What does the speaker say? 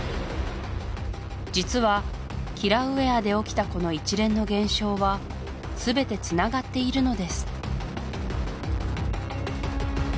実はキラウエアで起きたこの一連の現象はすべてつながっているのです